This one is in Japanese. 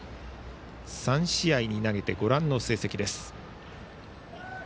３試合投げてご覧の成績です。